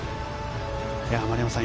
丸山さん